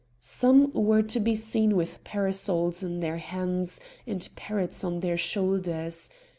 Some were to be seen with parasols in their hands, and parrots on their shoulders.